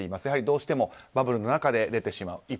やはり、どうしてもバブルの中で出てしまう。